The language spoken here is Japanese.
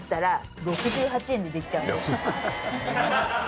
６８円でできちゃうんです。